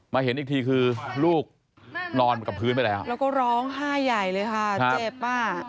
เห็นอีกทีคือลูกนอนกับพื้นไปแล้วแล้วก็ร้องไห้ใหญ่เลยค่ะเจ็บอ่ะ